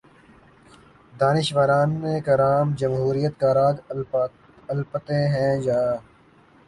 دانشوران کرام جمہوریت کا راگ الاپتے ہیں یا